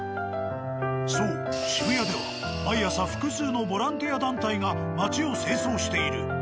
そう渋谷では毎朝複数のボランティア団体が街を清掃している。